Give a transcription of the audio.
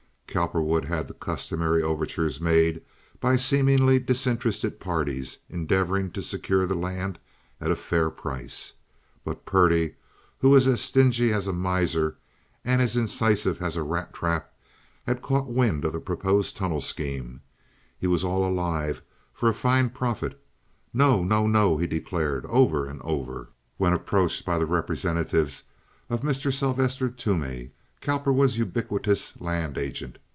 Cowperwood had the customary overtures made by seemingly disinterested parties endeavoring to secure the land at a fair price. But Purdy, who was as stingy as a miser and as incisive as a rat trap, had caught wind of the proposed tunnel scheme. He was all alive for a fine profit. "No, no, no," he declared, over and over, when approached by the representatives of Mr. Sylvester Toomey, Cowperwood's ubiquitous land agent.